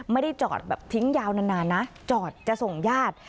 ไม่ได้จอดแบบทิ้งยาวนานนะจอดจะส่งญาติ